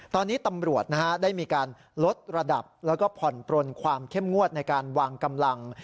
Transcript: ตอนนี้ตำรวจได้มีการลดระดับแล้วก็ผ่อนปลนความเข้มงวดในการวางกำลัง